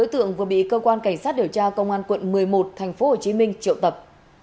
trường vừa bị cơ quan cảnh sát điều tra công an quận một mươi một tp hcm triệu tập